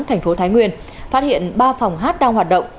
thành phố thái nguyên phát hiện ba phòng hát đang hoạt động